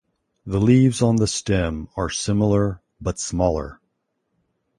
The leaves on the stem are similar but smaller.